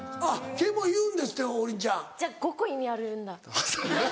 「け」も言うんですって王林ちゃん。じゃあ５個意味あるんだ。